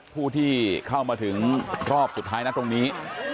ผู้ที่เข้ามาถึงรอบสุดท้ายนะตรงนี้